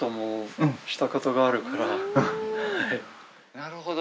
なるほど。